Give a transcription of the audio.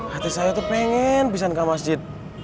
hati saya itu pengen bisa naik ke masjid